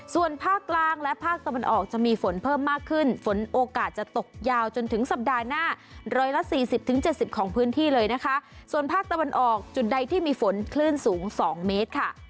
ส่วนภาคกลางและภาคตะวันออกจะมีฝนเพิ่มมากขึ้นฝนโอกาสจะตกยาวจนถึงสัปดาห์หน้า๑๔๐๗๐ของพื้นที่เลยนะคะส่วนภาคตะวันออกจุดใดที่มีฝนคลื่นสูง๒เมตรค่ะ